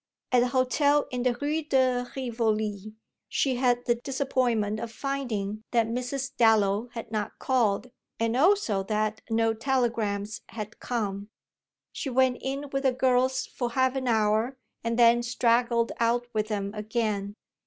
At the hotel in the Rue de Rivoli she had the disappointment of finding that Mrs. Dallow had not called, and also that no telegrams had come. She went in with the girls for half an hour and then straggled out with them again.